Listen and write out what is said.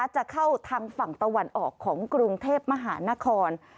จะเข้าทางฝั่งตะวันออกของกรุงเทพมหานคร